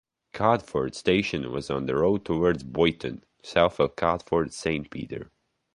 Codford station was on the road towards Boyton, south of Codford Saint Peter.